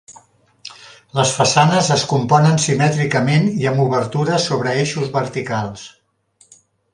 Les façanes es componen simètricament i amb obertures sobre eixos verticals.